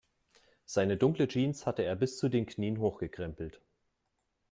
Seine dunkle Jeans hatte er bis zu den Knien hochgekrempelt.